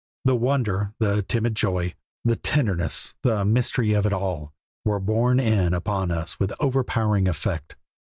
The wonder, the timid joy, the tenderness, the mystery of it all, were borne in upon us with overpowering effect.